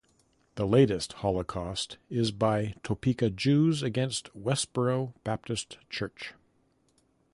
The latest Holocaust is by Topeka Jews against Westboro Baptist Church.